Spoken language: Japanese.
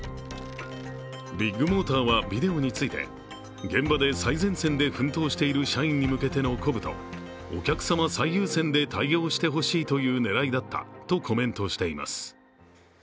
ビッグモーターはビデオについて現場で最前線で奮闘している社員に向けての鼓舞とお客様最優先で対応してほしいという狙いだったとコメントしています